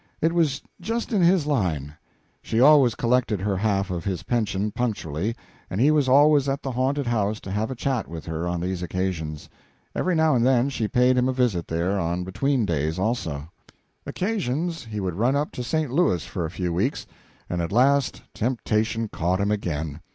It was just in his line. She always collected her half of his pension punctually, and he was always at the haunted house to have a chat with her on these occasions. Every now and then she paid him a visit there on between days also. Occasionally he would run up to St. Louis for a few weeks, and at last temptation caught him again.